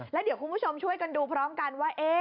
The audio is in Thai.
แล้วเดี๋ยวคุณผู้ชมช่วยกันดูพร้อมกันว่า